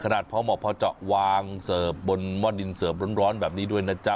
ขนาดพอเหมาะพอเจาะวางเสิร์ฟบนหม้อดินเสิร์ฟร้อนแบบนี้ด้วยนะจ๊ะ